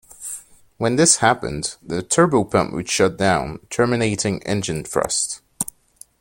When this happened, the turbopump would shut down, terminating engine thrust.